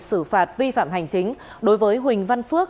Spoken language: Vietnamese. xử phạt vi phạm hành chính đối với huỳnh văn phước